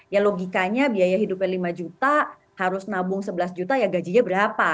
ya logikanya biaya hidupnya lima juta harus nabung sebelas juta ya gajinya berapa